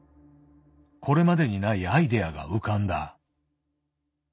これまでにないアイデアが浮かんだ。